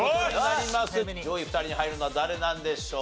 上位２人に入るのは誰なんでしょう？